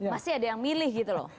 pasti ada yang milih gitu loh